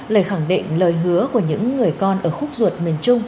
lời khẳng định lời hứa của những người con ở khúc ruột miền trung